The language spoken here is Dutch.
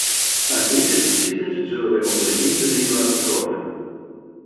Aan deze principes zullen wij onder geen beding laten tornen.